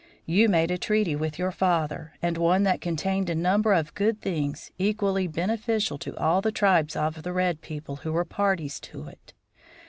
You made a treaty with your father, and one that contained a number of good things, equally beneficial to all the tribes of red people who were parties to it.